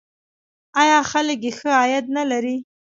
آیا خلک یې ښه عاید نلري؟